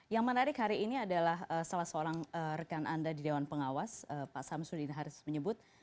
yang menarik hari ini adalah salah seorang rekan anda di dewan pengawas pak samsudin haris menyebut